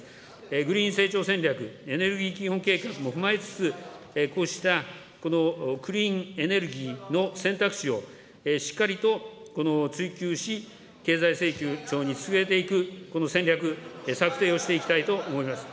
グリーン成長戦略、エネルギー基本計画も踏まえつつ、こうしたこのクリーンエネルギーの選択肢をしっかりとこの追求し、経済成長に進めていく戦略、策定していきたいと思います。